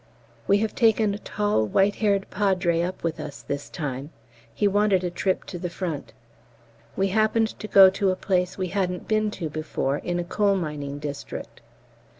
We have taken a tall white haired Padre up with us this time: he wanted a trip to the Front. We happened to go to a place we hadn't been to before, in a coal mining district.